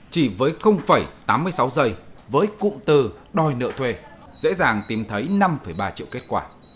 chỉ với tám mươi sáu giây với cụm từ đòi nợ thuê dễ dàng tìm thấy năm ba triệu kết quả